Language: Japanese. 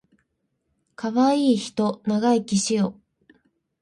かわいいひと長生きしよ